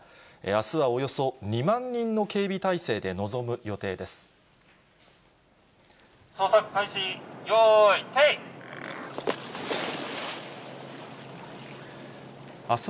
あすはおよそ２万人の警備体制で臨む予定です。